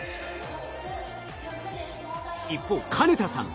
一方金田さん